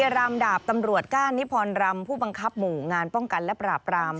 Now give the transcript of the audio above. รามดาบตำรวจก้านนิพรรำผู้บังคับหมู่งานป้องกันและปราบราม